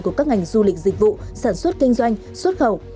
của các ngành du lịch dịch vụ sản xuất kinh doanh xuất khẩu